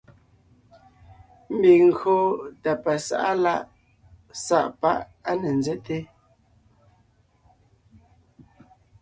Ḿbiŋ ńgÿo tà pasá’a lá’ sá’ pá’ á ne ńzέte,